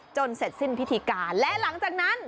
เสร็จสิ้นพิธีการและหลังจากนั้น